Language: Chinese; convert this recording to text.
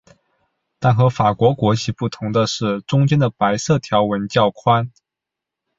但和法国国旗不同的是中间的白色条纹较宽。